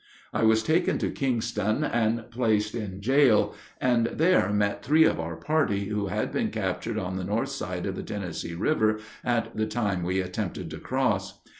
I was taken to Kingston and placed in jail, and there met three of our party who had been captured on the north side of the Tennessee River at the time we attempted to cross.